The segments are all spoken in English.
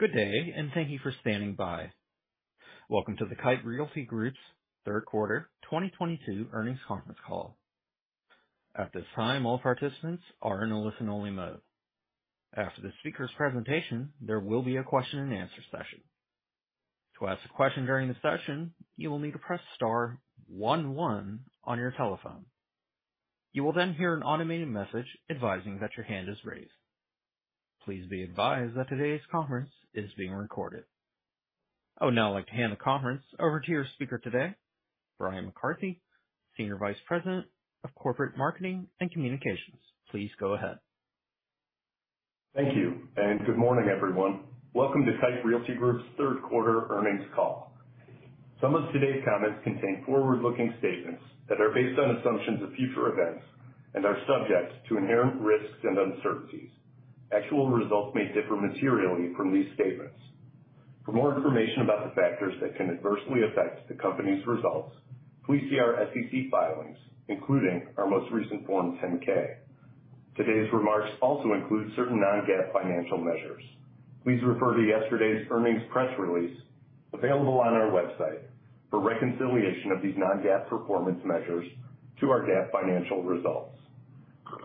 Good day, and thank you for standing by. Welcome to the Kite Realty Group Trust's third quarter 2022 earnings conference call. At this time, all participants are in a listen-only mode. After the speaker's presentation, there will be a question-and-answer session. To ask a question during the session, you will need to press star one one on your telephone. You will then hear an automated message advising that your hand is raised. Please be advised that today's conference is being recorded. I would now like to hand the conference over to your speaker today, Bryan McCarthy, Senior Vice President of Corporate Marketing and Communications. Please go ahead. Thank you and good morning, everyone. Welcome to Kite Realty Group's third quarter earnings call. Some of today's comments contain forward-looking statements that are based on assumptions of future events and are subject to inherent risks and uncertainties. Actual results may differ materially from these statements. For more information about the factors that can adversely affect the company's results, please see our SEC filings, including our most recent Form 10-K. Today's remarks also include certain non-GAAP financial measures. Please refer to yesterday's earnings press release available on our website for reconciliation of these non-GAAP performance measures to our GAAP financial results.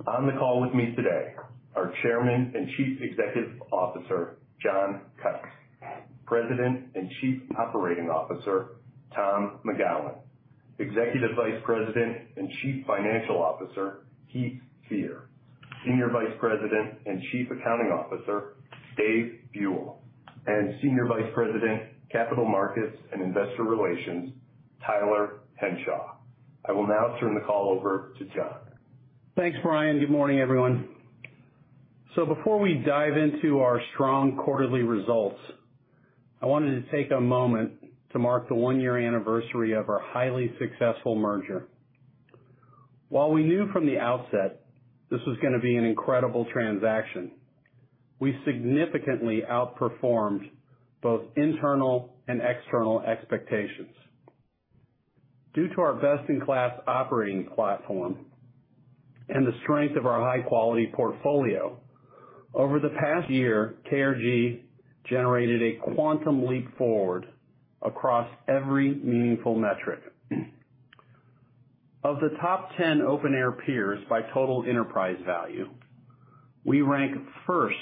On the call with me today, are Chairman and Chief Executive Officer, John Kite, President and Chief Operating Officer, Tom McGowan, Executive Vice President and Chief Financial Officer, Heath Fear, Senior Vice President and Chief Accounting Officer, Dave Buell, and Senior Vice President, Capital Markets and Investor Relations, Tyler Henshaw. I will now turn the call over to John. Thanks, Bryan. Good morning, everyone. Before we dive into our strong quarterly results, I wanted to take a moment to mark the one-year anniversary of our highly successful merger. While we knew from the outset this was gonna be an incredible transaction, we significantly outperformed both internal and external expectations. Due to our best-in-class operating platform and the strength of our high-quality portfolio, over the past year, KRG generated a quantum leap forward across every meaningful metric. Of the top 10 open-air peers by total enterprise value, we rank first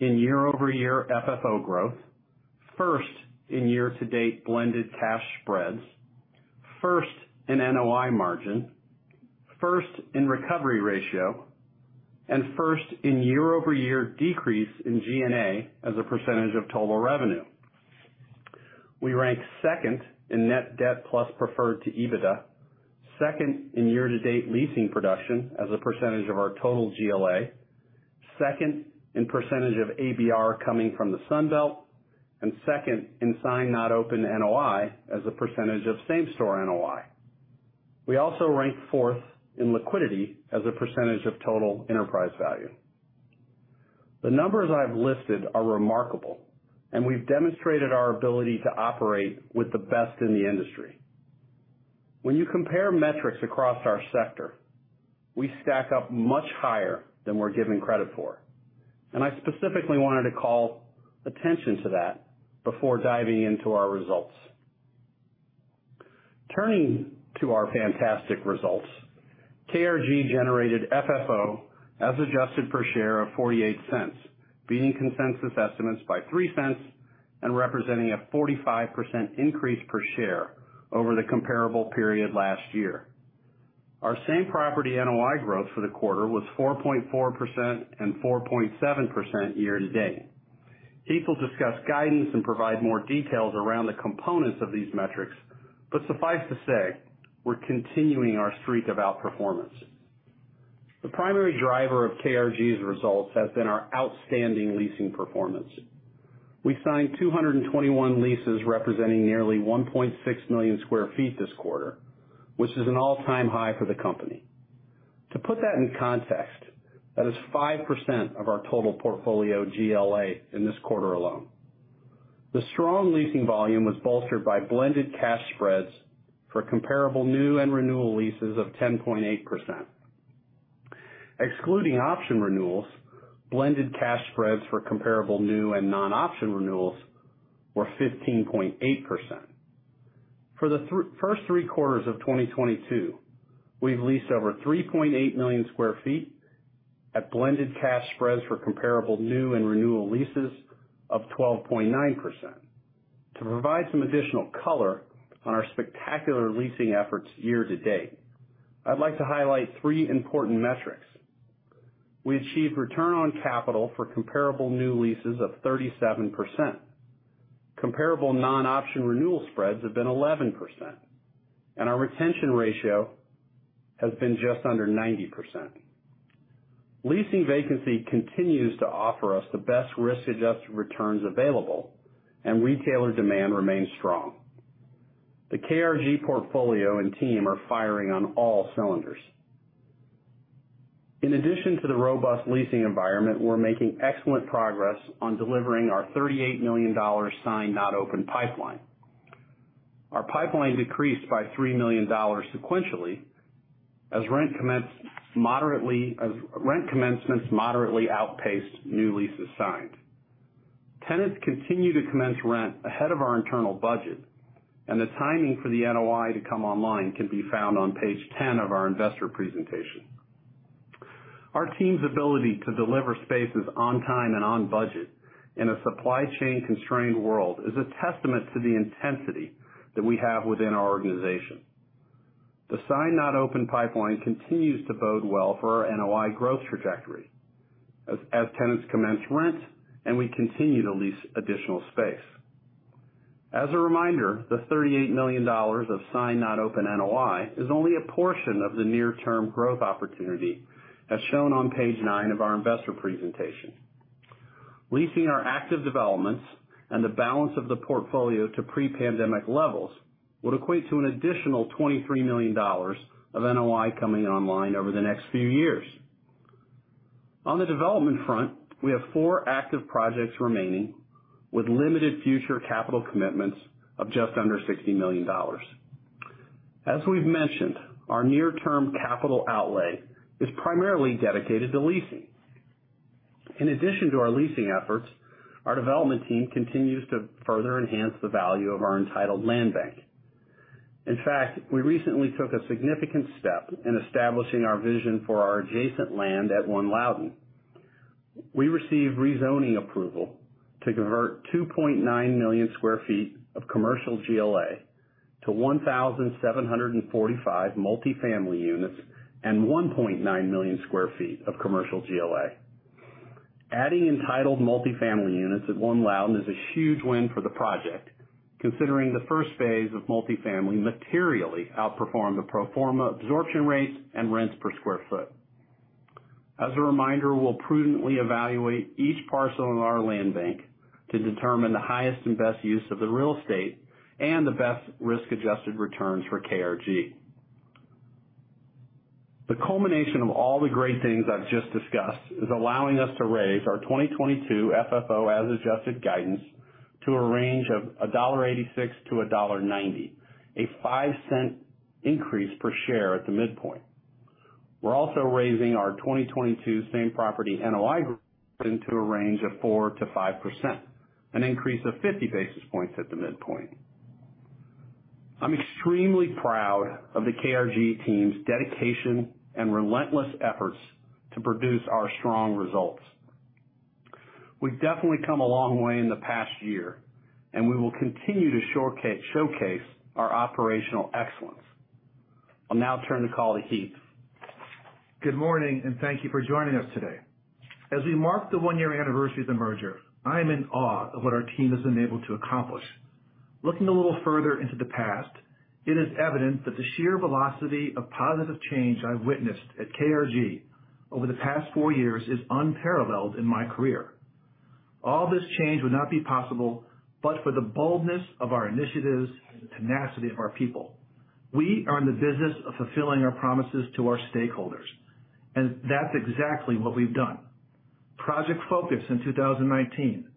in year-over-year FFO growth, first in year-to-date blended cash spreads, first in NOI margin, first in recovery ratio, and first in year-over-year decrease in G&A as a percentage of total revenue. We rank 2nd in net debt plus preferred to EBITDA, 2nd in year-to-date leasing production as a percentage of our total GLA, 2nd in percentage of ABR coming from the Sun Belt, and 2nd in signed not opened NOI as a percentage of same-store NOI. We also rank 4th in liquidity as a percentage of total enterprise value. The numbers I've listed are remarkable, and we've demonstrated our ability to operate with the best in the industry. When you compare metrics across our sector, we stack up much higher than we're given credit for, and I specifically wanted to call attention to that before diving into our results. Turning to our fantastic results, KRG generated FFO as adjusted per share of $0.48, beating consensus estimates by $0.03 and representing a 45% increase per share over the comparable period last year. Our same property NOI growth for the quarter was 4.4% and 4.7% year to date. Keith will discuss guidance and provide more details around the components of these metrics, but suffice to say, we're continuing our streak of outperformance. The primary driver of KRG's results has been our outstanding leasing performance. We signed 221 leases representing nearly 1.6 million sq ft this quarter, which is an all-time high for the company. To put that in context, that is 5% of our total portfolio GLA in this quarter alone. The strong leasing volume was bolstered by blended cash spreads for comparable new and renewal leases of 10.8%. Excluding option renewals, blended cash spreads for comparable new and non-option renewals were 15.8%. For the first three quarters of 2022, we've leased over 3.8 million sq ft at blended cash spreads for comparable new and renewal leases of 12.9%. To provide some additional color on our spectacular leasing efforts year to date, I'd like to highlight three important metrics. We achieved return on capital for comparable new leases of 37%. Comparable non-option renewal spreads have been 11%, and our retention ratio has been just under 90%. Leasing vacancy continues to offer us the best risk-adjusted returns available, and retailer demand remains strong. The KRG portfolio and team are firing on all cylinders. In addition to the robust leasing environment, we're making excellent progress on delivering our $38 million signed not opened pipeline. Our pipeline decreased by $3 million sequentially as rent commencements moderately outpaced new leases signed. Tenants continue to commence rent ahead of our internal budget, and the timing for the NOI to come online can be found on page 10 of our investor presentation. Our team's ability to deliver spaces on time and on budget in a supply chain constrained world is a testament to the intensity that we have within our organization. The signed not open pipeline continues to bode well for our NOI growth trajectory as tenants commence rent and we continue to lease additional space. As a reminder, the $38 million of signed not open NOI is only a portion of the near term growth opportunity as shown on page 9 of our investor presentation. Leasing our active developments and the balance of the portfolio to pre-pandemic levels would equate to an additional $23 million of NOI coming online over the next few years. On the development front, we have four active projects remaining, with limited future capital commitments of just under $60 million. As we've mentioned, our near term capital outlay is primarily dedicated to leasing. In addition to our leasing efforts, our development team continues to further enhance the value of our entitled land bank. In fact, we recently took a significant step in establishing our vision for our adjacent land at One Loudoun. We received rezoning approval to convert 2.9 million sq ft of commercial GLA to 1,745 multi-family units and 1.9 million sq ft of commercial GLA. Adding entitled multifamily units at One Loudoun is a huge win for the project, considering the first phase of multifamily materially outperformed the pro forma absorption rates and rents per square foot. As a reminder, we'll prudently evaluate each parcel in our land bank to determine the highest and best use of the real estate and the best risk adjusted returns for KRG. The culmination of all the great things I've just discussed is allowing us to raise our 2022 FFO as adjusted guidance to a range of $1.86-$1.90, a $0.05 increase per share at the midpoint. We're also raising our 2022 same property NOI growth into a range of 4%-5%, an increase of 50 basis points at the midpoint. I'm extremely proud of the KRG team's dedication and relentless efforts to produce our strong results. We've definitely come a long way in the past year, and we will continue to showcase our operational excellence. I'll now turn the call to Heath. Good morning, and thank you for joining us today. As we mark the one-year anniversary of the merger, I am in awe of what our team has been able to accomplish. Looking a little further into the past, it is evident that the sheer velocity of positive change I've witnessed at KRG over the past four years is unparalleled in my career. All this change would not be possible, but for the boldness of our initiatives and the tenacity of our people. We are in the business of fulfilling our promises to our stakeholders, and that's exactly what we've done. Project Focus in 2019,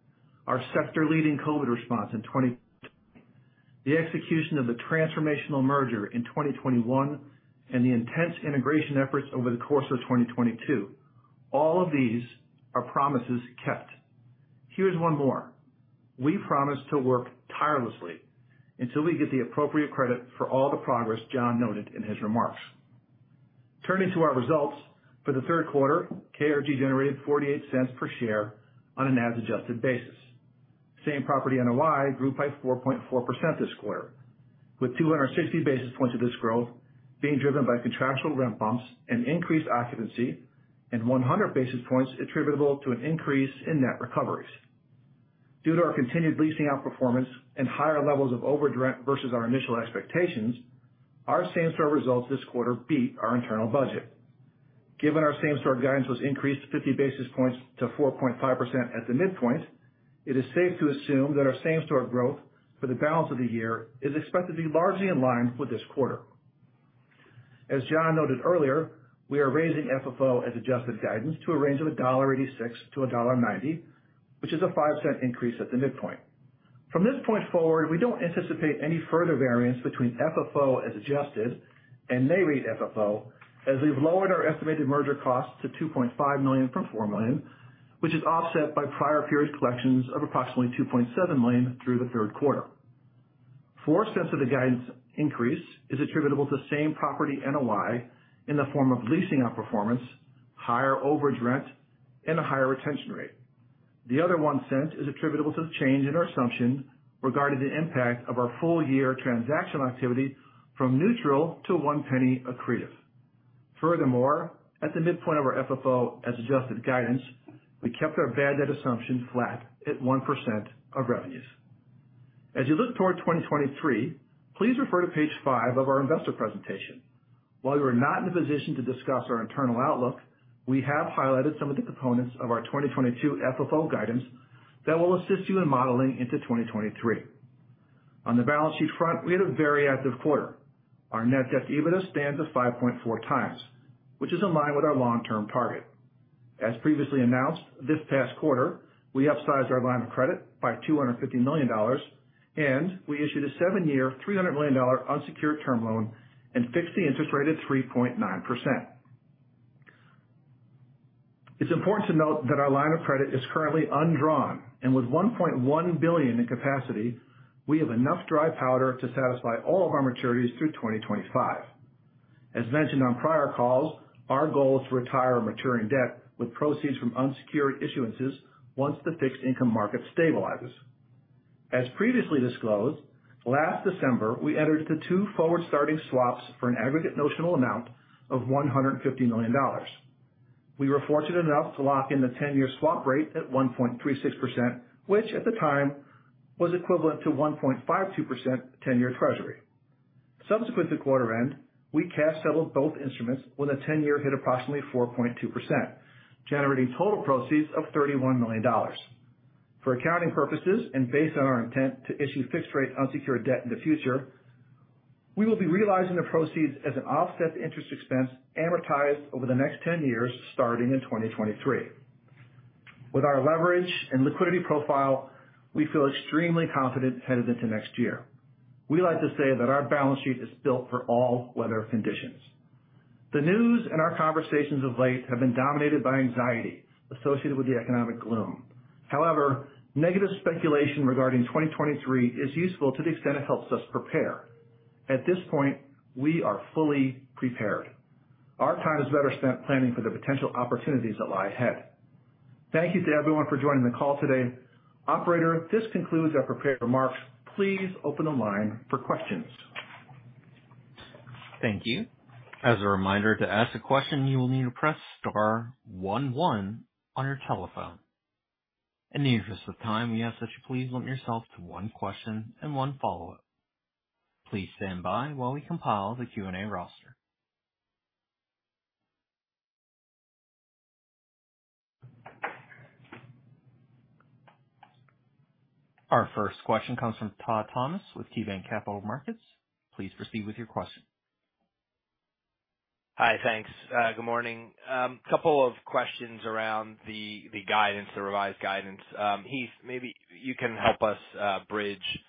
our sector-leading COVID response in 2020, the execution of the transformational merger in 2021, and the intense integration efforts over the course of 2022. All of these are promises kept. Here's one more. We promise to work tirelessly until we get the appropriate credit for all the progress John noted in his remarks. Turning to our results, for the third quarter, KRG generated $0.48 per share on a NAV-adjusted basis. Same-property NOI grew by 4.4% this quarter, with 260 basis points of this growth being driven by contractual rent bumps and increased occupancy, and 100 basis points attributable to an increase in net recoveries. Due to our continued leasing outperformance and higher levels of overage rent versus our initial expectations, our same-store results this quarter beat our internal budget. Given our same-store guidance was increased 50 basis points to 4.5% at the midpoint, it is safe to assume that our same-store growth for the balance of the year is expected to be largely in line with this quarter. As John noted earlier, we are raising FFO as adjusted guidance to a range of $1.86-$1.90, which is a 5-cent increase at the midpoint. From this point forward, we don't anticipate any further variance between FFO as adjusted and NAREIT FFO, as we've lowered our estimated merger costs to $2.5 million from $4 million, which is offset by prior period collections of approximately $2.7 million through the third quarter. 4 cents of the guidance increase is attributable to same property NOI in the form of leasing outperformance, higher overage rent, and a higher retention rate. The other 1 cent is attributable to the change in our assumption regarding the impact of our full year transaction activity from neutral to 1 penny accretive. Furthermore, at the midpoint of our FFO as adjusted guidance, we kept our bad debt assumption flat at 1% of revenues. As you look toward 2023, please refer to page 5 of our investor presentation. While we are not in a position to discuss our internal outlook, we have highlighted some of the components of our 2022 FFO guidance that will assist you in modeling into 2023. On the balance sheet front, we had a very active quarter. Our net debt to EBITDA stands at 5.4x, which is in line with our long-term target. As previously announced, this past quarter, we upsized our line of credit by $250 million, and we issued a 7-year, $300 million unsecured term loan and fixed the interest rate at 3.9%. It's important to note that our line of credit is currently undrawn, and with $1.1 billion in capacity, we have enough dry powder to satisfy all of our maturities through 2025. As mentioned on prior calls, our goal is to retire maturing debt with proceeds from unsecured issuances once the fixed income market stabilizes. As previously disclosed, last December, we entered into two forward-starting swaps for an aggregate notional amount of $150 million. We were fortunate enough to lock in the ten-year swap rate at 1.36%, which, at the time, was equivalent to 1.52% ten-year treasury. Subsequent to quarter end, we cash-settled both instruments when the ten-year hit approximately 4.2%, generating total proceeds of $31 million. For accounting purposes and based on our intent to issue fixed-rate unsecured debt in the future, we will be realizing the proceeds as an offset interest expense amortized over the next 10 years, starting in 2023. With our leverage and liquidity profile, we feel extremely confident headed into next year. We like to say that our balance sheet is built for all weather conditions. The news and our conversations of late have been dominated by anxiety associated with the economic gloom. However, negative speculation regarding 2023 is useful to the extent it helps us prepare. At this point, we are fully prepared. Our time is better spent planning for the potential opportunities that lie ahead. Thank you to everyone for joining the call today. Operator, this concludes our prepared remarks. Please open the line for questions. Thank you. As a reminder, to ask a question, you will need to press star one one on your telephone. In the interest of time, we ask that you please limit yourself to one question and one follow-up. Please stand by while we compile the Q&A roster. Our first question comes from Todd Thomas with KeyBanc Capital Markets. Please proceed with your question. Hi. Thanks. Good morning. Couple of questions around the guidance, the revised guidance. Heath, maybe you can help us bridge the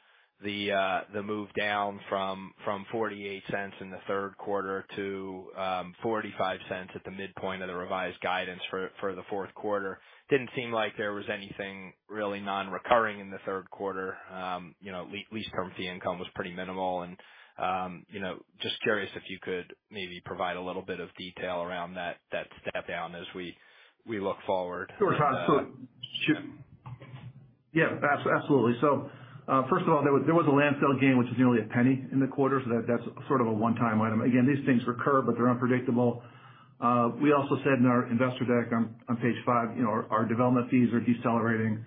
move down from $0.48 in the third quarter to $0.45 at the midpoint of the revised guidance for the fourth quarter. Didn't seem like there was anything really non-recurring in the third quarter. You know, lease termination fee income was pretty minimal and, you know, just curious if you could maybe provide a little bit of detail around that step down as we look forward. Sure, Todd. Yeah, absolutely. First of all, there was a landfill gain, which was nearly a penny in the quarter. That's sort of a one-time item. Again, these things recur, but they're unpredictable. We also said in our investor deck on page 5, you know, our development fees are decelerating.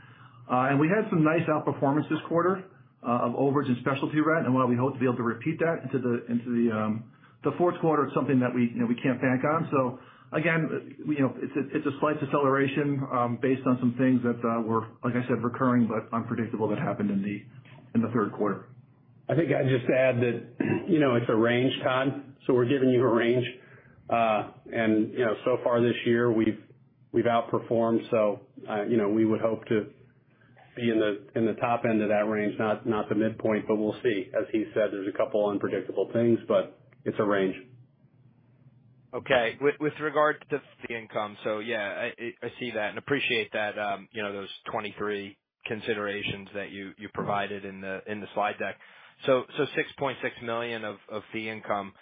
We had some nice outperformance this quarter of overage and specialty rent. While we hope to be able to repeat that into the fourth quarter, it's something that we, you know, we can't bank on. Again, you know, it's a slight deceleration based on some things that were, like I said, recurring but unpredictable that happened in the third quarter. I think I'd just add that, you know, it's a range, Todd. We're giving you a range. You know, so far this year, we've outperformed. You know, we would hope to be in the top end of that range, not the midpoint, but we'll see. As Heath said, there's a couple unpredictable things, but it's a range. Okay. With regard to the income, yeah, I see that and appreciate that, you know, those 23 considerations that you provided in the slide deck. Six point six million of fee income.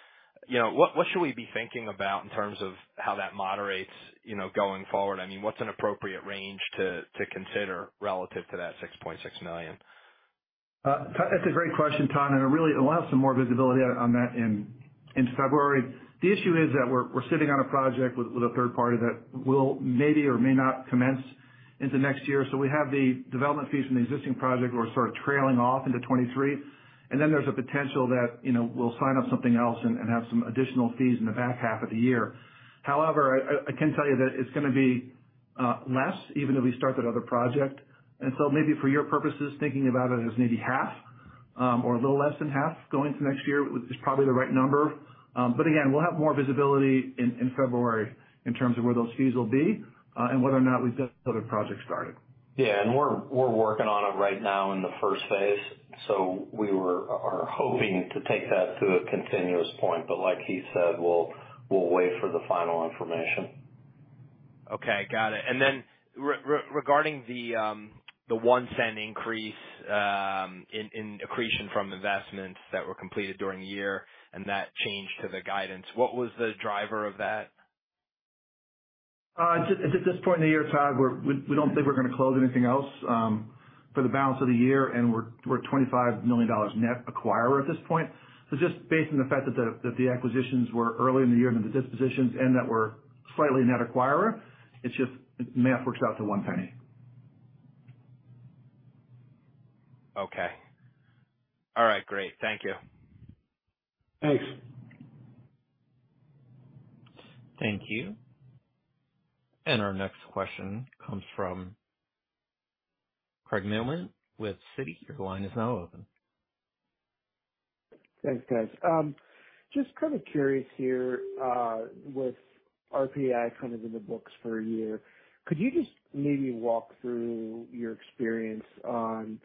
You know, what should we be thinking about in terms of how that moderates, you know, going forward? I mean, what's an appropriate range to consider relative to that $6.6 million? Todd, that's a great question. We'll have some more visibility on that in February. The issue is that we're sitting on a project with a third party that will maybe or may not commence into next year. We have the development fees from the existing project. We're sort of trailing off into 2023. Then there's a potential that, you know, we'll sign up something else and have some additional fees in the back half of the year. However, I can tell you that it's gonna be less even if we start that other project. Maybe for your purposes, thinking about it as maybe half or a little less than half going to next year is probably the right number. Again, we'll have more visibility in February in terms of where those fees will be, and whether or not we get another project started. Yeah, we're working on it right now in the first phase, so we are hoping to take that to a continuous point. Like Heath said, we'll wait for the final information. Okay, got it. Regarding the $0.01 increase in accretion from investments that were completed during the year and that change to the guidance, what was the driver of that? Just at this point in the year, Todd, we don't think we're gonna close anything else for the balance of the year, and we're $25 million net acquirer at this point. Just based on the fact that the acquisitions were early in the year and the dispositions and that we're slightly net acquirer, it's just the math works out to $0.01. Okay. All right, great. Thank you. Thanks. Thank you. Our next question comes from Craig Mailman with Citi. Your line is now open. Thanks, guys. Just kind of curious here, with RPAI kind of in the books for a year, could you just maybe walk through your experience on,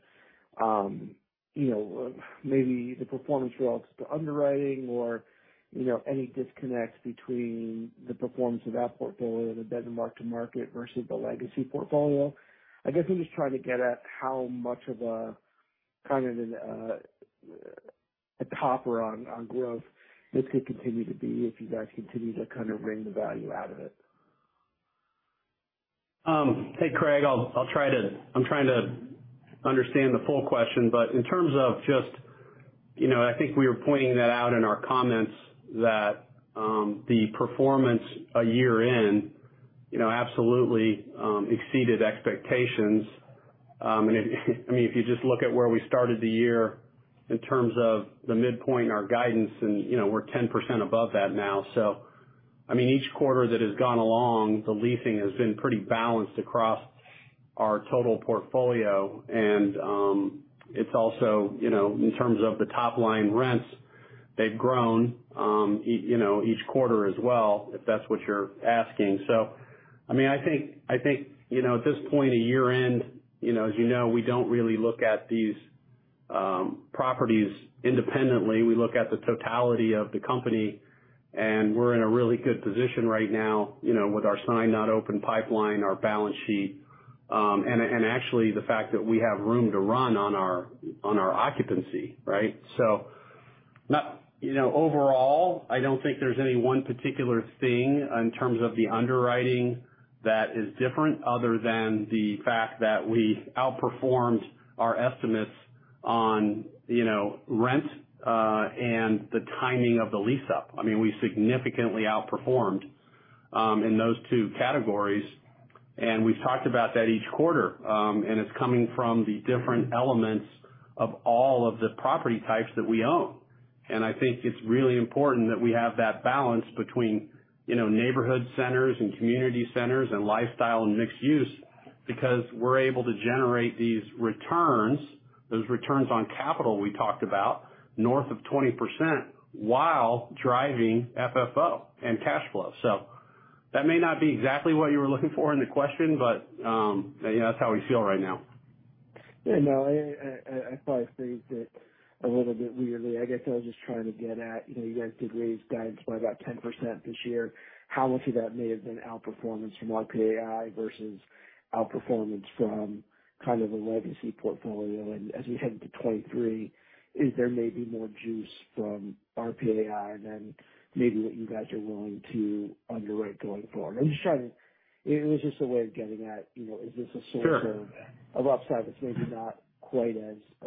you know, maybe the performance relative to underwriting or, you know, any disconnects between the performance of that portfolio that had been mark-to-market versus the legacy portfolio? I guess I'm just trying to get at how much of a kind of an a topper on growth this could continue to be if you guys continue to kind of wring the value out of it. Hey, Craig, I'll try to understand the full question, but in terms of just, you know, I think we were pointing that out in our comments that, the performance a year in, you know, absolutely, exceeded expectations. If, I mean, if you just look at where we started the year in terms of the midpoint, our guidance, and you know, we're 10% above that now. I mean, each quarter that has gone along, the leasing has been pretty balanced across our total portfolio. It's also, you know, in terms of the top line rents, they've grown, you know, each quarter as well, if that's what you're asking. I mean, I think, you know, at this point, year-end, you know, as you know, we don't really look at these properties independently. We look at the totality of the company, and we're in a really good position right now, you know, with our signed, not opened pipeline, our balance sheet, and actually the fact that we have room to run on our occupancy, right? You know, overall, I don't think there's any one particular thing in terms of the underwriting that is different other than the fact that we outperformed our estimates on, you know, rent, and the timing of the lease up. I mean, we significantly outperformed in those two categories. We've talked about that each quarter. It's coming from the different elements of all of the property types that we own. I think it's really important that we have that balance between, you know, neighborhood centers and community centers and lifestyle and mixed use, because we're able to generate these returns, those returns on capital we talked about, north of 20% while driving FFO and cash flow. That may not be exactly what you were looking for in the question, but, you know, that's how we feel right now. Yeah. No, I probably phrased it a little bit weirdly. I guess I was just trying to get at, you know, you guys did raise guidance by about 10% this year. How much of that may have been outperformance from RPAI versus outperformance from kind of a legacy portfolio? And as we head into 2023, is there maybe more juice from RPAI than maybe what you guys are willing to underwrite going forward? I'm just trying to. It was just a way of getting at, you know, is this a source? Sure. Of upside that's maybe not quite as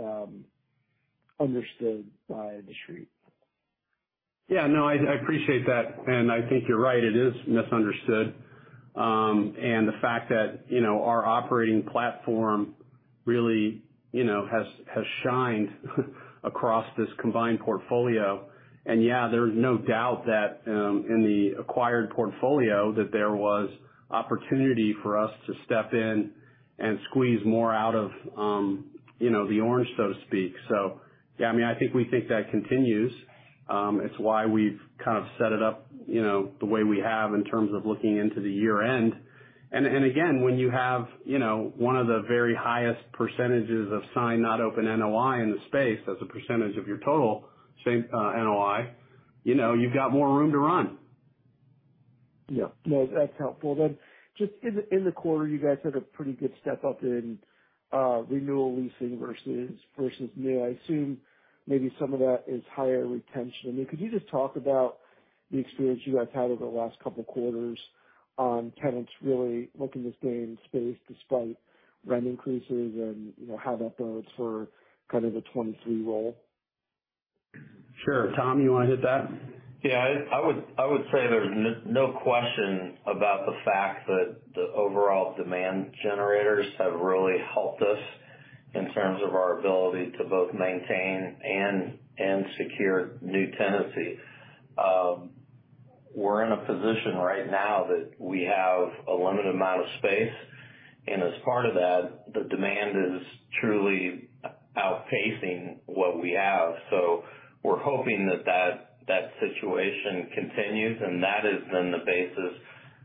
understood by The Street. Yeah, no, I appreciate that. I think you're right, it is misunderstood. The fact that, you know, our operating platform really, you know, has shined across this combined portfolio. Yeah, there's no doubt that in the acquired portfolio, that there was opportunity for us to step in and squeeze more out of, you know, the orange, so to speak. Yeah, I mean, I think we think that continues. It's why we've kind of set it up, you know, the way we have in terms of looking into the year end. Again, when you have, you know, one of the very highest percentages of signed, not open NOI in the space as a percentage of your total same NOI, you know you've got more room to run. Yeah. No, that's helpful. Then just in the quarter, you guys had a pretty good step up in renewal leasing versus new. I assume maybe some of that is higher retention. I mean, could you just talk about the experience you guys had over the last couple of quarters on tenants really looking to stay in space despite rent increases and, you know, how that bodes for kind of the 2023 roll? Sure. Tom, you wanna hit that? Yeah. I would say there's no question about the fact that the overall demand generators have really helped us in terms of our ability to both maintain and secure new tenancy. We're in a position right now that we have a limited amount of space, and as part of that, the demand is truly outpacing what we have. We're hoping that situation continues, and that has been the basis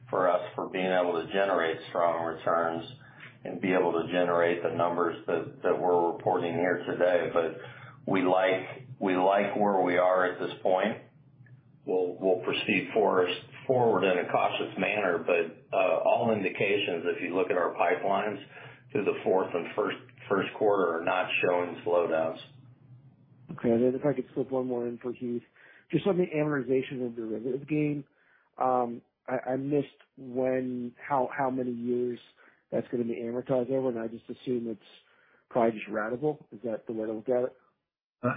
for us for being able to generate strong returns and be able to generate the numbers that we're reporting here today. We like where we are at this point. We'll proceed forward in a cautious manner, but all indications, if you look at our pipelines to the fourth and first quarter, are not showing slowdowns. Okay. Then if I could slip one more in for Heath. Just on the amortization of derivative gain, I missed how many years that's gonna be amortized over, and I just assume it's probably just ratable. Is that the way to look at it?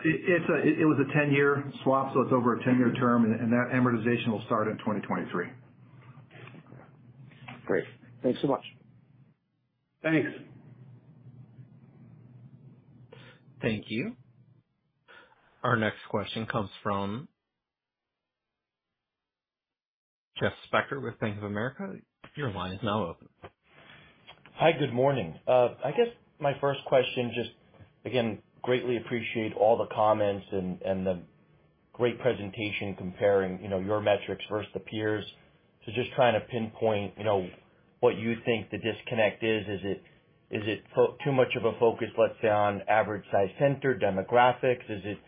It was a 10-year swap, so it's over a 10-year term, and that amortization will start in 2023. Great. Thanks so much. Thanks. Thank you. Our next question comes from Jeffrey Spector with Bank of America, your line is now open. Hi, good morning. I guess my first question, just again, greatly appreciate all the comments and the great presentation comparing, you know, your metrics versus the peers. Just trying to pinpoint, you know, what you think the disconnect is. Is it too much of a focus, let's say on average size center demographics? Is it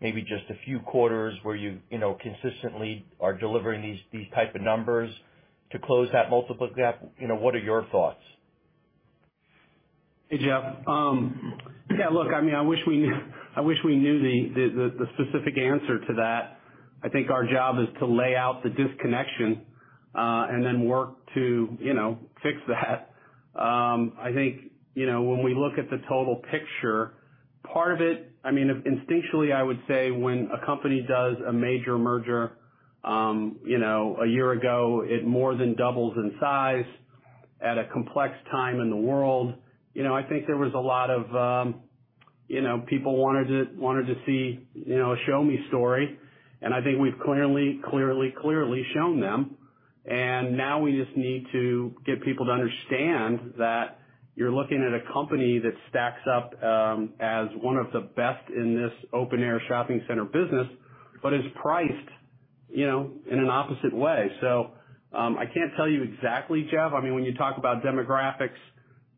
maybe just a few quarters where you know consistently are delivering these type of numbers to close that multiple gap? You know, what are your thoughts? Hey, Jeff. I mean, I wish we knew the specific answer to that. I think our job is to lay out the disconnection, and then work to, you know, fix that. I think, you know, when we look at the total picture, part of it, I mean, instinctively, I would say when a company does a major merger, you know, a year ago, it more than doubles in size at a complex time in the world. You know, I think there was a lot of, you know, people wanted to see, you know, a show me story, and I think we've clearly shown them. Now we just need to get people to understand that you're looking at a company that stacks up as one of the best in this open-air shopping center business, but is priced, you know, in an opposite way. I can't tell you exactly, Jeff. I mean, when you talk about demographics,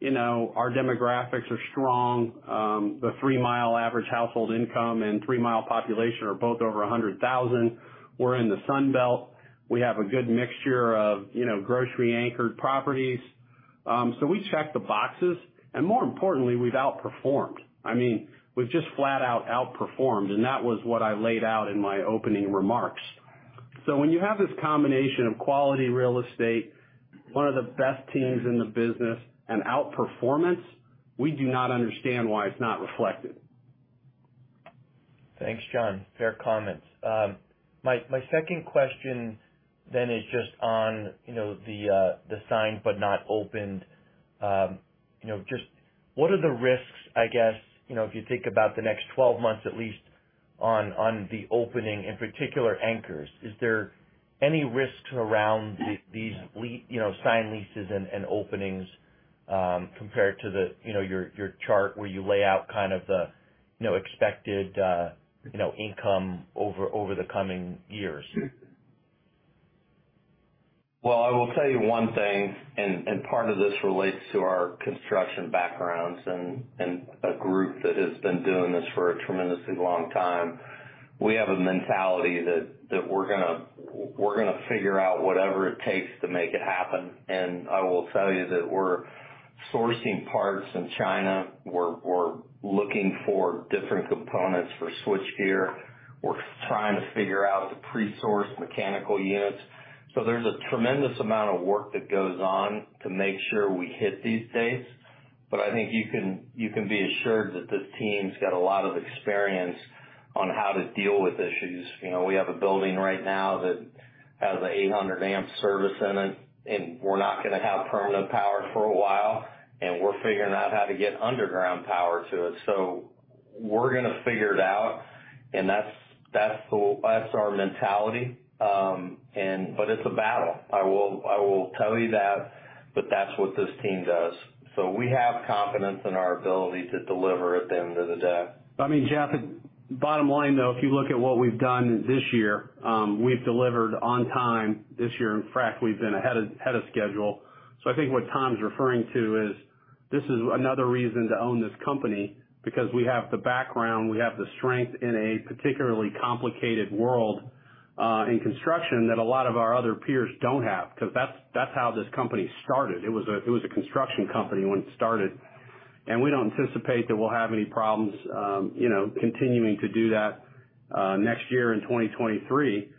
you know, our demographics are strong. The three-mile average household income and three-mile population are both over 100,000. We're in the Sun Belt. We have a good mixture of, you know, grocery anchored properties. We check the boxes and more importantly, we've outperformed. I mean, we've just flat out outperformed, and that was what I laid out in my opening remarks. When you have this combination of quality real estate, one of the best teams in the business and outperformance, we do not understand why it's not reflected. Thanks, John. Fair comments. My second question is just on, you know, the signed but not opened. You know, just what are the risks, I guess, you know, if you think about the next 12 months, at least on the opening, in particular anchors. Is there any risk, too, around these signed leases and openings, compared to, you know, your chart where you lay out kind of the expected income over the coming years? Well, I will tell you one thing, and part of this relates to our construction backgrounds and a group that has been doing this for a tremendously long time. We have a mentality that we're gonna figure out whatever it takes to make it happen. I will tell you that we're sourcing parts in China. We're looking for different components for switchgear. We're trying to figure out to pre-source mechanical units. There's a tremendous amount of work that goes on to make sure we hit these dates. I think you can be assured that this team's got a lot of experience on how to deal with issues. You know, we have a building right now that has an 800-amp service in it, and we're not gonna have permanent power for a while, and we're figuring out how to get underground power to it. We're gonna figure it out, and that's our mentality. It's a battle. I will tell you that, but that's what this team does. We have confidence in our ability to deliver at the end of the day. I mean, Jeff, bottom line, though, if you look at what we've done this year, we've delivered on time. This year, in fact, we've been ahead of schedule. I think what Tom's referring to is this is another reason to own this company because we have the background, we have the strength in a particularly complicated world in construction that a lot of our other peers don't have because that's how this company started. It was a construction company when it started, and we don't anticipate that we'll have any problems, you know, continuing to do that next year in 2023.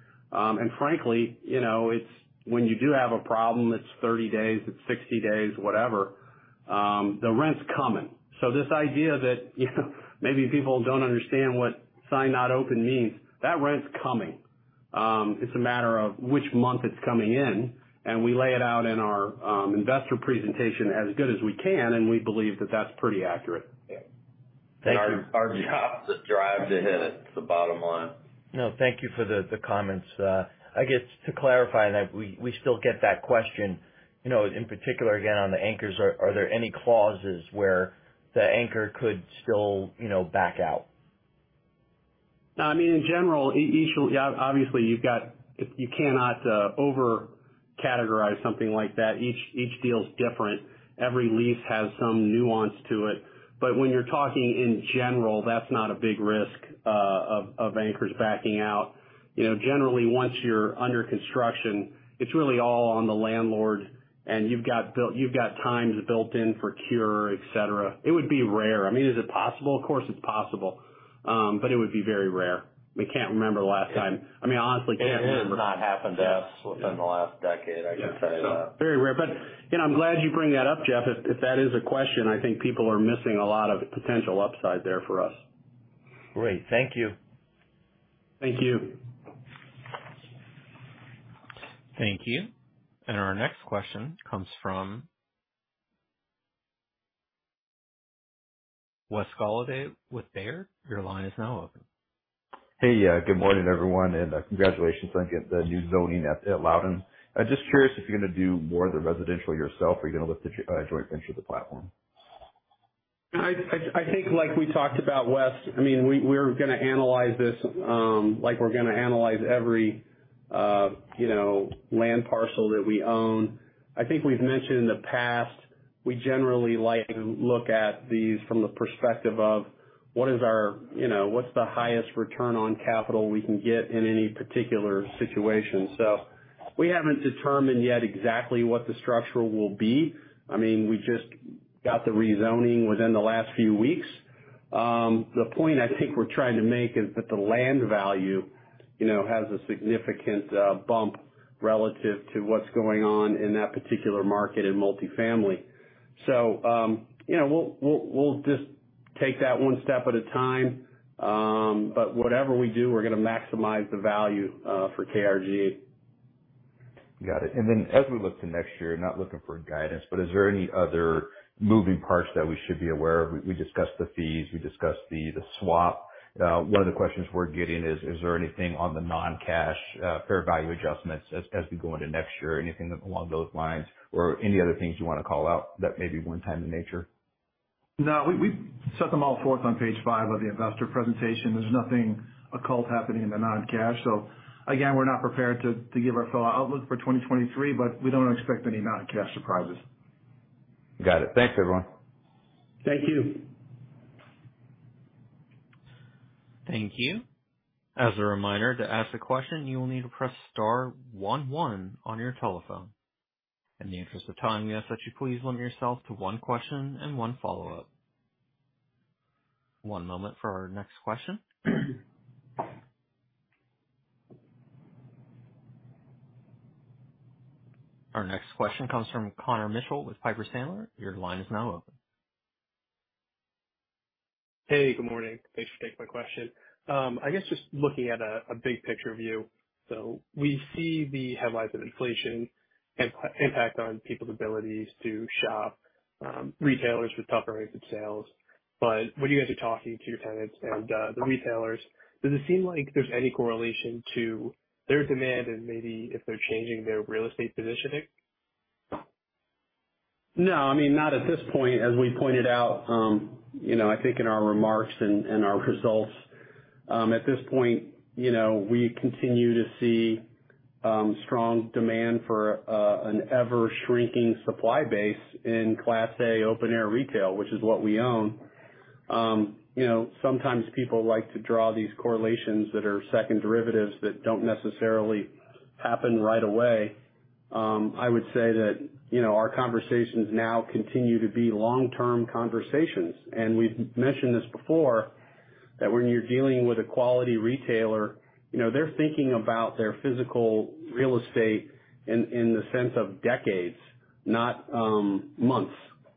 Frankly, you know, it's when you do have a problem, it's 30 days, it's 60 days, whatever, the rent's coming. This idea that, you know, maybe people don't understand what sign not open means, that rent's coming. It's a matter of which month it's coming in, and we lay it out in our investor presentation as good as we can, and we believe that that's pretty accurate. Yeah. Thank you. Our jobs that drive the bottom line. No, thank you for the comments. I guess to clarify that, we still get that question, you know, in particular again on the anchors. Are there any clauses where the anchor could still, you know, back out? No. I mean, in general, each. Obviously, you cannot over-categorize something like that. Each deal is different. Every lease has some nuance to it. When you're talking in general, that's not a big risk of anchors backing out. You know, generally, once you're under construction, it's really all on the landlord, and you've got times built in for cure, etc. It would be rare. I mean, is it possible? Of course, it's possible. It would be very rare. We can't remember the last time. I mean, honestly can't remember. It has not happened to us within the last decade, I can tell you that. Very rare. You know, I'm glad you bring that up, Jeff. If that is a question, I think people are missing a lot of potential upside there for us. Great. Thank you. Thank you. Thank you. Our next question comes from Wes Golladay with Baird, your line is now open. Hey, good morning, everyone, and congratulations on getting the new zoning at Loudoun. I'm just curious if you're gonna do more of the residential yourself or are you gonna look to joint venture the platform? I think like we talked about, Wes, I mean, we're gonna analyze this, like we're gonna analyze every, you know, land parcel that we own. I think we've mentioned in the past, we generally like to look at these from the perspective of what is our, you know, what's the highest return on capital we can get in any particular situation. We haven't determined yet exactly what the structure will be. I mean, we just got the rezoning within the last few weeks. The point I think we're trying to make is that the land value, you know, has a significant bump relative to what's going on in that particular market in multifamily. You know, we'll just take that one step at a time. Whatever we do, we're gonna maximize the value for KRG. Got it. Then as we look to next year, not looking for guidance, but is there any other moving parts that we should be aware of? We discussed the fees, we discussed the swap. One of the questions we're getting is there anything on the non-cash fair value adjustments as we go into next year? Anything along those lines or any other things you wanna call out that may be one-time in nature? No. We set them all forth on page five of the investor presentation. There's nothing occult happening in the non-cash. Again, we're not prepared to give our full outlook for 2023, but we don't expect any non-cash surprises. Got it. Thanks, everyone. Thank you. Thank you. As a reminder, to ask a question, you will need to press star one one on your telephone. In the interest of time, we ask that you please limit yourself to one question and one follow-up. One moment for our next question. Our next question comes from Connor Mitchell with Piper Sandler. Your line is now open. Hey, good morning. Thanks for taking my question. I guess just looking at a big picture view, we see the headlines of inflation impact on people's abilities to shop, retailers with tougher rates of sales. When you guys are talking to your tenants and the retailers, does it seem like there's any correlation to their demand and maybe if they're changing their real estate positioning? No. I mean, not at this point. As we pointed out, you know, I think in our remarks and our results, at this point, you know, we continue to see strong demand for an ever-shrinking supply base in Class A open-air retail, which is what we own. You know, sometimes people like to draw these correlations that are second derivatives that don't necessarily happen right away. I would say that, you know, our conversations now continue to be long-term conversations. We've mentioned this before, that when you're dealing with a quality retailer, you know, they're thinking about their physical real estate in the sense of decades, not months,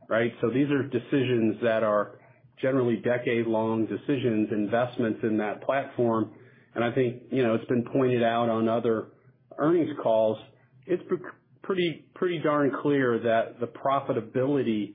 right? These are decisions that are generally decade-long decisions, investments in that platform. I think, you know, it's been pointed out on other earnings calls. It's pretty darn clear that the profitability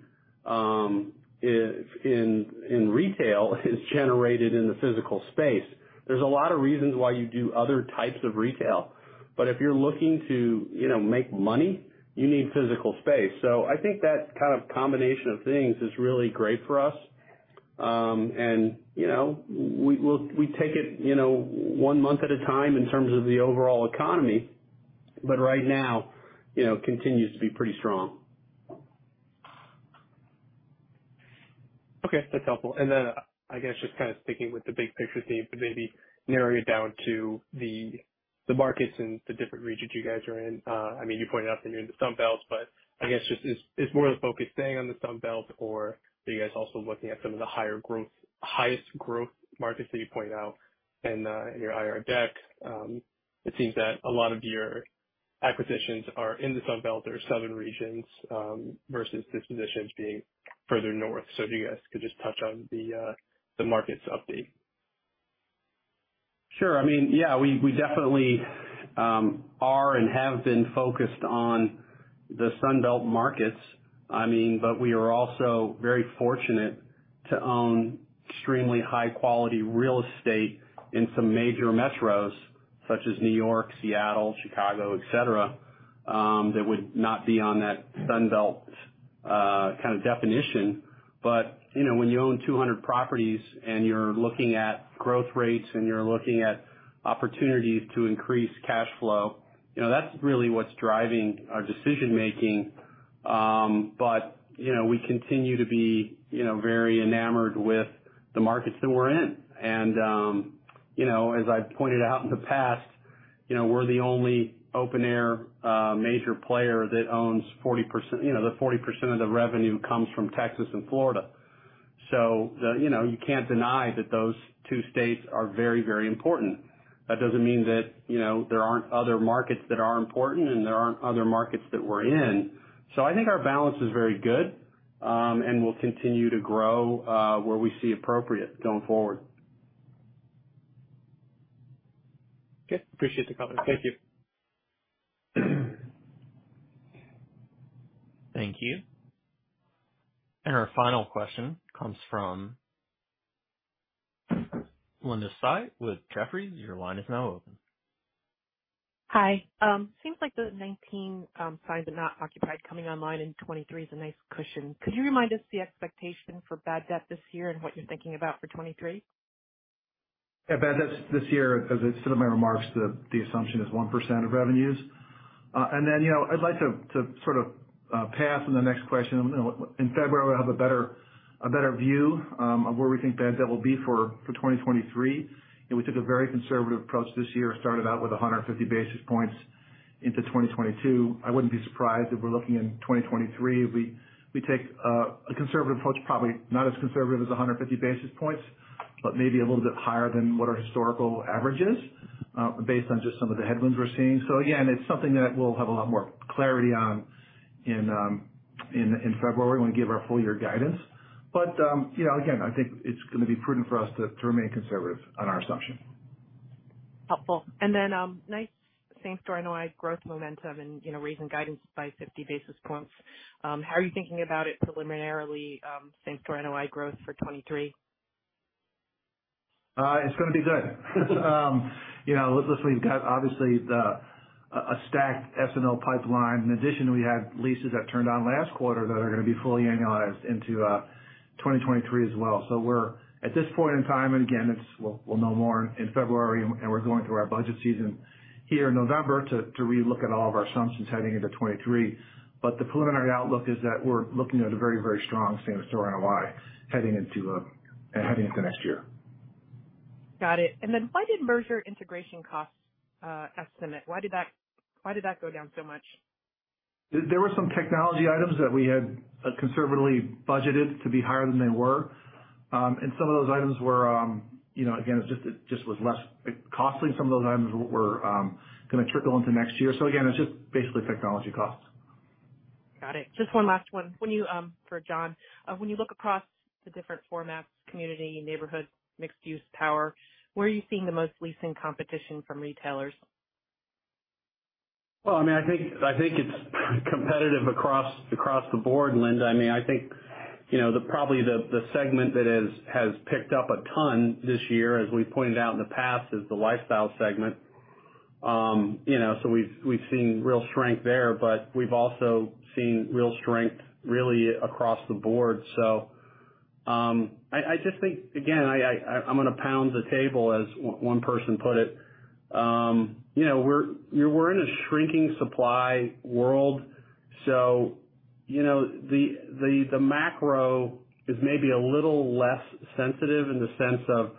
in retail is generated in the physical space. There's a lot of reasons why you do other types of retail, but if you're looking to, you know, make money, you need physical space. I think that kind of combination of things is really great for us. You know, we take it, you know, one month at a time in terms of the overall economy. Right now, you know, it continues to be pretty strong. Okay, that's helpful. Then I guess just kind of sticking with the big picture theme, but maybe narrowing it down to the markets and the different regions you guys are in. I mean, you pointed out that you're in the Sun Belt, but I guess is more of the focus staying on the Sun Belt or are you guys also looking at some of the higher growth, highest growth markets that you point out in your IR deck? It seems that a lot of your acquisitions are in the Sun Belt or southern regions versus dispositions being further north. If you guys could just touch on the markets update. Sure. I mean, yeah, we definitely are and have been focused on the Sun Belt markets. I mean, we are also very fortunate to own extremely high quality real estate in some major metros such as New York, Seattle, Chicago, etc., that would not be on that Sun Belt kind of definition. You know, when you own 200 properties and you're looking at growth rates and you're looking at opportunities to increase cash flow, you know, that's really what's driving our decision-making. You know, we continue to be, you know, very enamored with the markets that we're in. You know, as I've pointed out in the past, you know, we're the only open air major player that owns 40%, you know, that 40% of the revenue comes from Texas and Florida. The, you know, you can't deny that those two states are very, very important. That doesn't mean that, you know, there aren't other markets that are important and there aren't other markets that we're in. I think our balance is very good, and we'll continue to grow, where we see appropriate going forward. Okay. Appreciate the color. Thank you. Thank you. Our final question comes from Linda Tsai with Jefferies. Your line is now open. Hi. Seems like the 19 signed but not occupied coming online in 2023 is a nice cushion. Could you remind us the expectation for bad debt this year and what you're thinking about for 2023? Yeah, bad debts this year, as I said in my remarks, the assumption is 1% of revenues. Then, you know, I'd like to sort of pass on the next question. You know what, in February, we'll have a better view of where we think bad debt will be for 2023. We took a very conservative approach this year, started out with 150 basis points into 2022. I wouldn't be surprised if we're looking in 2023, we take a conservative approach, probably not as conservative as 150 basis points, but maybe a little bit higher than what our historical average is, based on just some of the headwinds we're seeing. Again, it's something that we'll have a lot more clarity on in February when we give our full year guidance. You know, again, I think it's gonna be prudent for us to remain conservative on our assumption. Helpful. Then, nice same-store NOI growth momentum and, you know, raising guidance by 50 basis points. How are you thinking about it preliminarily, same-store NOI growth for 2023? It's gonna be good. You know, listen, we've got obviously a stacked S&L pipeline. In addition, we had leases that turned on last quarter that are gonna be fully annualized into 2023 as well. We're at this point in time, and again, we'll know more in February, and we're going through our budget season here in November to re-look at all of our assumptions heading into 2023. The preliminary outlook is that we're looking at a very, very strong same-store NOI heading into next year. Got it. Why did merger integration costs estimate go down so much? There were some technology items that we had conservatively budgeted to be higher than they were. Some of those items were, you know, again, it just was less costly. Some of those items were gonna trickle into next year. Again, it's just basically technology costs. Got it. Just one last one. When you look across the different formats, community, neighborhood, mixed use power, where are you seeing the most leasing competition from retailers? Well, I mean, I think it's competitive across the board, Linda. I mean, I think, you know, probably the segment that has picked up a ton this year, as we've pointed out in the past, is the lifestyle segment. You know, we've seen real strength there, but we've also seen real strength really across the board. I just think again, I'm gonna pound the table as one person put it. You know, we're in a shrinking supply world, so you know, the macro is maybe a little less sensitive in the sense of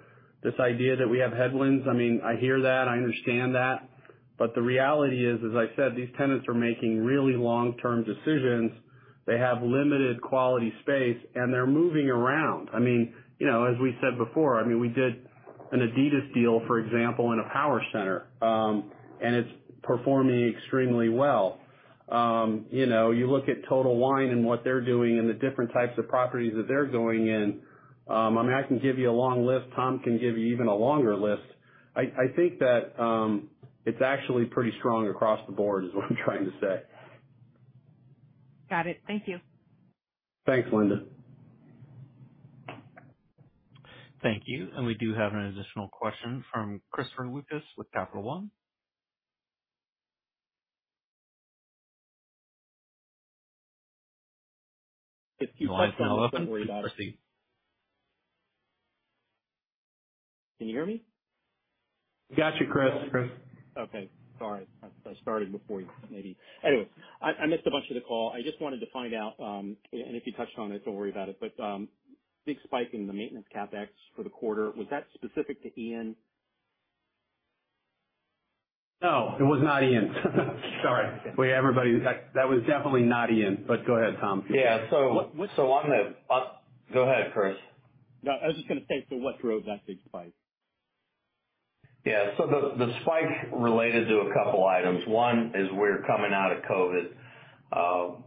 this idea that we have headwinds. I mean, I hear that, I understand that. The reality is, as I said, these tenants are making really long-term decisions. They have limited quality space, and they're moving around. I mean, you know, as we said before, I mean, we did an Adidas deal, for example, in a power center, and it's performing extremely well. You know, you look at Total Wine and what they're doing and the different types of properties that they're going in. I mean, I can give you a long list. Tom can give you even a longer list. I think that, it's actually pretty strong across the board is what I'm trying to say. Got it. Thank you. Thanks, Linda. Thank you. We do have an additional question from Christopher Lucas with Capital One. Your line is now open. You may proceed. Can you hear me? Got you, Chris. Chris. Okay, sorry. I started before you maybe. Anyway, I missed a bunch of the call. I just wanted to find out, and if you touched on it, don't worry about it, but big spike in the maintenance CapEx for the quarter. Was that specific to Ian? No, it was not Ian. Sorry. That was definitely not Ian, but go ahead, Tom. Yeah, go ahead, Chris. No, I was just gonna say, so what drove that big spike? Yeah. The spike related to a couple items. One is we're coming out of COVID,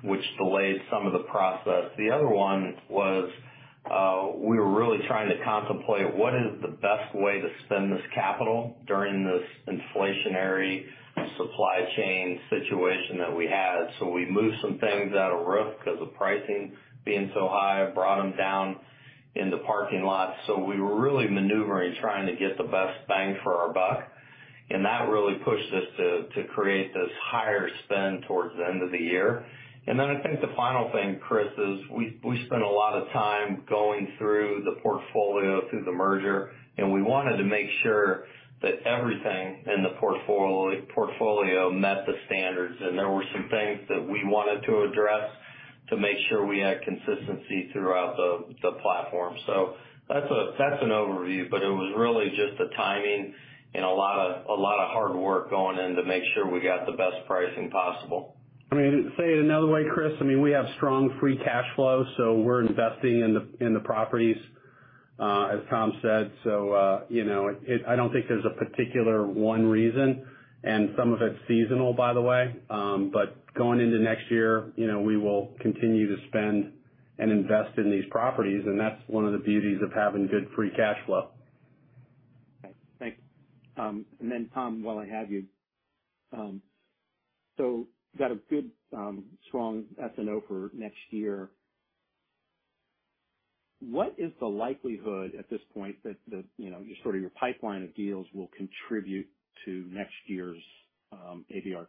which delayed some of the process. The other one was, we were really trying to contemplate what is the best way to spend this capital during this inflationary supply chain situation that we had. We moved some things out of roof 'cause of pricing being so high, brought them down in the parking lot. We were really maneuvering, trying to get the best bang for our buck, and that really pushed us to create this higher spend towards the end of the year. Then I think the final thing, Chris, is we spent a lot of time going through the portfolio through the merger, and we wanted to make sure that everything in the portfolio met the standards. There were some things that we wanted to address to make sure we had consistency throughout the platform. That's an overview, but it was really just the timing and a lot of hard work going in to make sure we got the best pricing possible. Let me say it another way, Chris. I mean, we have strong free cash flow, so we're investing in the properties, as Tom said. You know, I don't think there's a particular one reason and some of it's seasonal, by the way. Going into next year, you know, we will continue to spend and invest in these properties, and that's one of the beauties of having good free cash flow. Thanks. Tom, while I have you, so got a good strong SNO for next year. What is the likelihood at this point that the, you know, sort of your pipeline of deals will contribute to next year's ABR?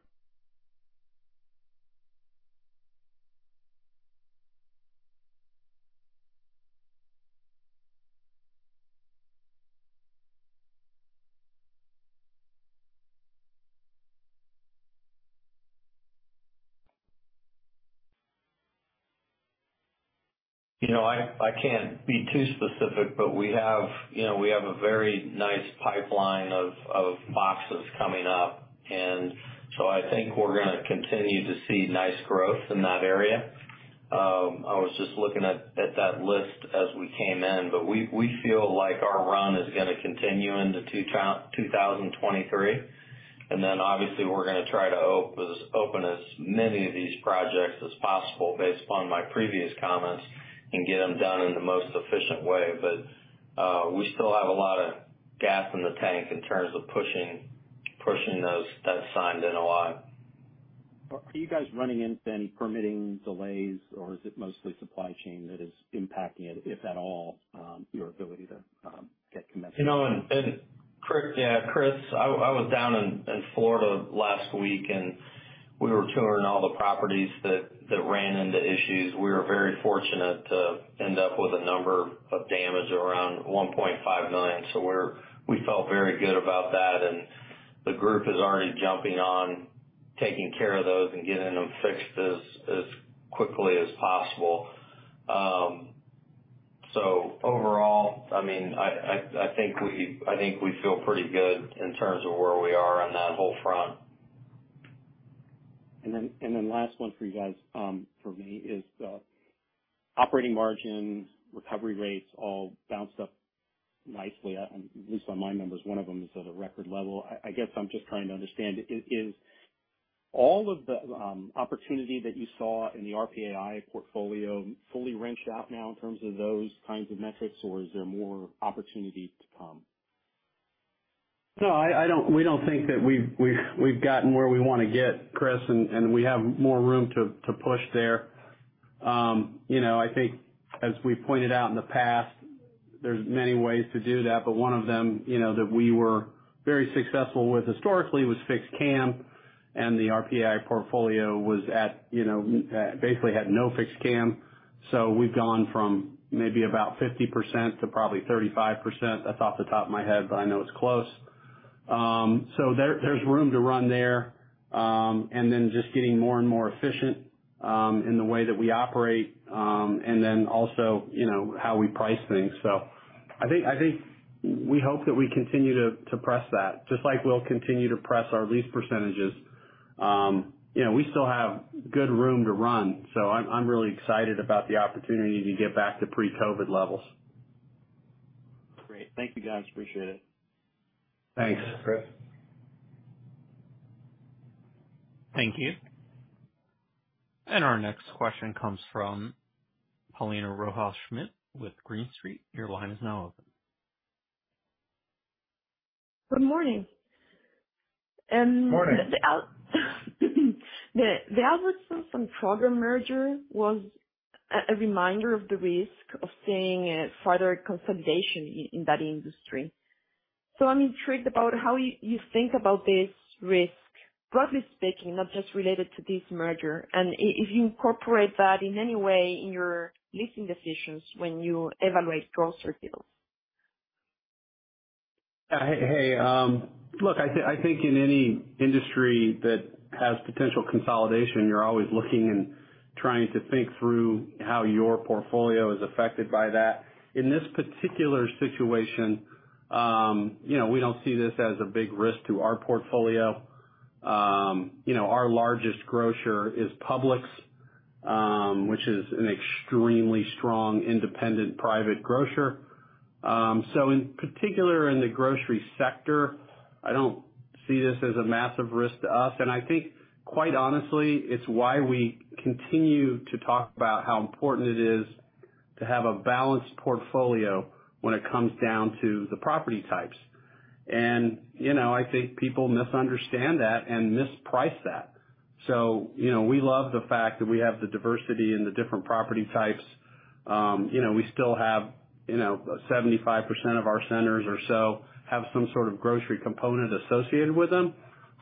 You know, I can't be too specific, but we have, you know, we have a very nice pipeline of boxes coming up, and so I think we're gonna continue to see nice growth in that area. I was just looking at that list as we came in, but we feel like our run is gonna continue into 2023. Obviously we're gonna try to open as many of these projects as possible based upon my previous comments and get them done in the most efficient way. We still have a lot of gas in the tank in terms of pushing those that signed in a lot. Are you guys running into any permitting delays or is it mostly supply chain that is impacting it, if at all, your ability to get commencement? You know, Chris, I was down in Florida last week, and we were touring all the properties that ran into issues. We were very fortunate to end up with a number of damage around $1.5 million. We felt very good about that, and the group is already jumping on taking care of those and getting them fixed as quickly as possible. Overall, I mean, I think we feel pretty good in terms of where we are on that whole front. Last one for you guys, for me, is the operating margins, recovery rates all bounced up nicely. At least on my numbers, one of them is at a record level. I guess I'm just trying to understand. Is all of the opportunity that you saw in the RPAI portfolio fully wrung out now in terms of those kinds of metrics, or is there more opportunity to come? No, I don't. We don't think that we've gotten where we wanna get, Chris, and we have more room to push there. You know, I think as we pointed out in the past, there's many ways to do that, but one of them, you know, that we were very successful with historically was fixed CAM, and the RPAI portfolio was at, you know, basically had no fixed CAM. We've gone from maybe about 50% to probably 35%. That's off the top of my head, but I know it's close. There's room to run there, and then just getting more and more efficient in the way that we operate, and then also, you know, how we price things. I think we hope that we continue to press that just like we'll continue to press our lease percentages. You know, we still have good room to run, so I'm really excited about the opportunity to get back to pre-COVID levels. Great. Thank you, guys. Appreciate it. Thanks, Chris. Thank you. Our next question comes from Paulina Rojas Schmidt with Green Street. Your line is now open. Good morning. Morning. The Albertsons and Kroger merger was a reminder of the risk of seeing a further consolidation in that industry. I'm intrigued about how you think about this risk, broadly speaking, not just related to this merger, and if you incorporate that in any way in your leasing decisions when you evaluate grocer deals. I think in any industry that has potential consolidation, you're always looking and trying to think through how your portfolio is affected by that. In this particular situation, you know, we don't see this as a big risk to our portfolio. You know, our largest grocer is Publix, which is an extremely strong independent private grocer. In particular in the grocery sector, I don't see this as a massive risk to us. I think quite honestly, it's why we continue to talk about how important it is to have a balanced portfolio when it comes down to the property types. You know, I think people misunderstand that and misprice that. You know, we love the fact that we have the diversity and the different property types. You know, we still have, you know, 75% of our centers or so have some sort of grocery component associated with them.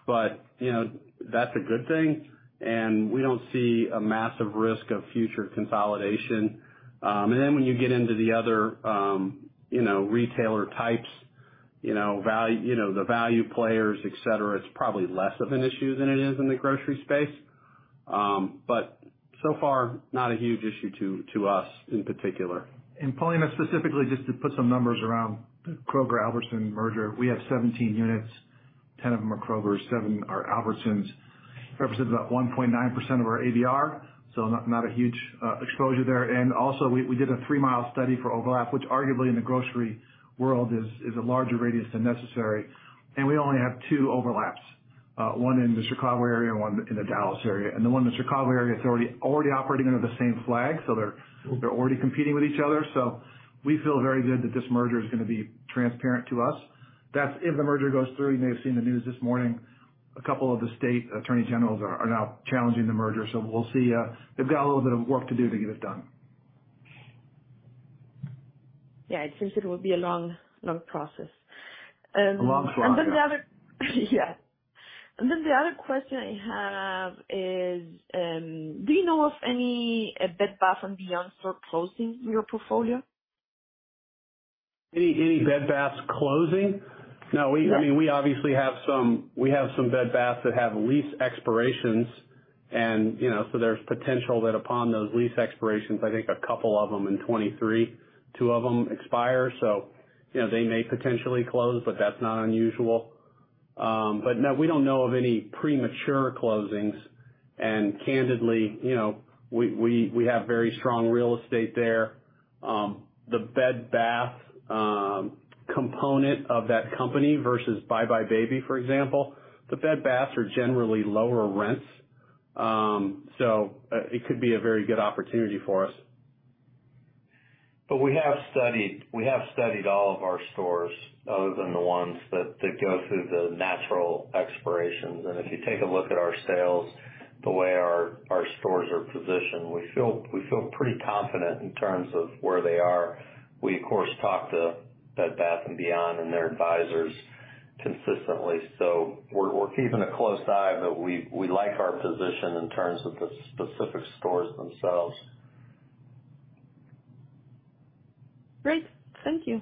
You know, that's a good thing, and we don't see a massive risk of future consolidation. When you get into the other, you know, retailer types, you know, value, you know, the value players, et cetera, it's probably less of an issue than it is in the grocery space. So far, not a huge issue to us in particular. Paulina, specifically just to put some numbers around the Kroger-Albertsons merger. We have 17 units. 10 of them are Krogers, 7 are Albertsons. Represents about 1.9% of our ABR, so not a huge exposure there. We did a 3-mile study for overlap, which arguably in the grocery world is a larger radius than necessary. We only have two overlaps, one in the Chicago area and one in the Dallas area. The one in the Chicago area is already operating under the same flag, so they're already competing with each other. We feel very good that this merger is gonna be transparent to us. That's if the merger goes through. You may have seen the news this morning. A couple of the state attorney generals are now challenging the merger, so we'll see. They've got a little bit of work to do to get it done. Yeah, it seems it will be a long, long process. A long slog, yeah. The other question I have is, do you know of any Bed Bath & Beyond store closing your portfolio? Any Bed Bath & Beyond closing? No. Yeah. I mean, we obviously have some Bed Bath & Beyond that have lease expirations and, you know, there's potential that upon those lease expirations, I think a couple of them in 2023, 2 of them expire. You know, they may potentially close, but that's not unusual. But no, we don't know of any premature closings. Candidly, you know, we have very strong real estate there. The Bed Bath & Beyond component of that company versus buybuy BABY, for example, the Bed Bath & Beyond are generally lower rents, so it could be a very good opportunity for us. We have studied all of our stores other than the ones that go through the natural expirations. If you take a look at our sales, the way our stores are positioned, we feel pretty confident in terms of where they are. We, of course, talk to Bed Bath & Beyond and their advisors consistently. We're keeping a close eye, but we like our position in terms of the specific stores themselves. Great. Thank you.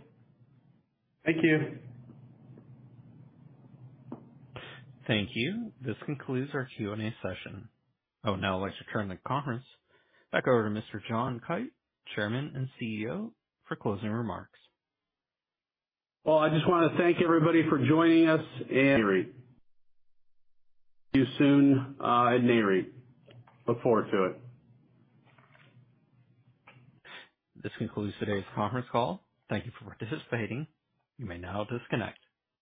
Thank you. Thank you. This concludes our Q&A session. I would now like to turn the conference back over to Mr. John Kite, Chairman and CEO, for closing remarks. Well, I just wanna thank everybody for joining us and see you soon at Nareit. Look forward to it. This concludes today's conference call. Thank you for participating. You may now disconnect.